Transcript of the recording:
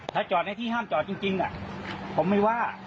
ถ้าจอดในที่ห้ามจอดจริงผมไม่ว่า